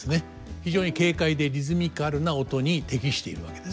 非常に軽快でリズミカルな音に適しているわけです。